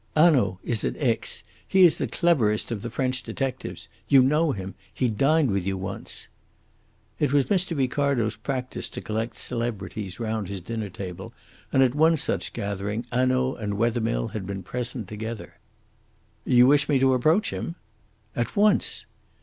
"Hanaud is at Aix. He is the cleverest of the French detectives. You know him. He dined with you once." It was Mr. Ricardo's practice to collect celebrities round his dinner table, and at one such gathering Hanaud and Wethermill had been present together. "You wish me to approach him?" "At once."